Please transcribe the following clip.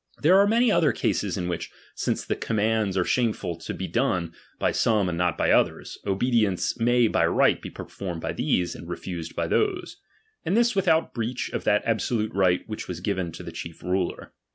There are many other cases in which, since the commands are shameful to be done by some and not by others, obedience may by right be performed by these, and refused by those ; and this without breach of that absolute right which was given to the chief ruler.